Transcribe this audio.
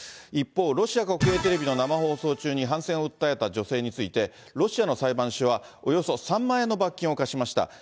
一方、ロシア国営テレビの生放送中に反戦を訴えた女性について、ロシアの裁判所はおよそ３万円の罰金を科しました。